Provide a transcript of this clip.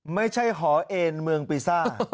ไม่ใช่หอเอนเมืองปรีซ่า